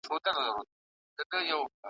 یو خوا ډانګ دی لخوا پړانګ دی `